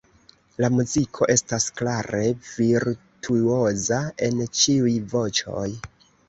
La muziko estas klare ‘virtuoza’ en ĉiuj voĉoj.